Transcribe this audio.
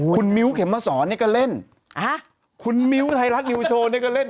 คุณมิ๊วเข็มมาสอนนี่ก็เล่นคุณมิ๊วอดับสมุทรวจช่วยนี่ก็เล่น